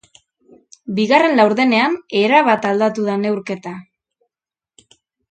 Bigarren laurdenean, erabat aldatu da neurketa.